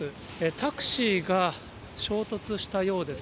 タクシーが衝突したようです。